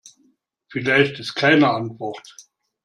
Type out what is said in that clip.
Vielleicht ist keine Antwort.